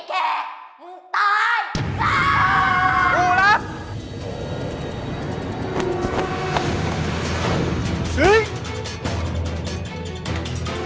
คุณเป็นใคร